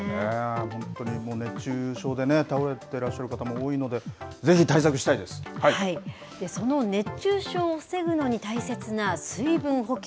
本当にもう、熱中症でね、倒れてらっしゃる方も多いので、ぜその熱中症を防ぐのに大切な水分補給。